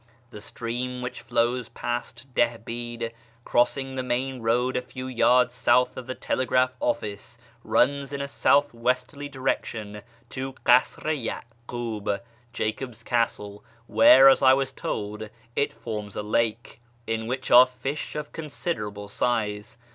The stream which flows past Dihbid, crossing the main road a few yards south of the telegraph office, runs in a south westerly direction to Kasr i Ya'kub (" Jacob's Castle "), where, as I was told, it forms a lake, in which are fish of considerable size.